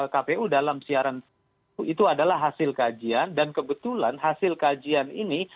kpu dalam siaran itu adalah hasil kajian dan kebetulan hasil kajian ini